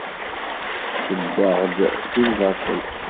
Ssewweɣ-d deg lbaṭel?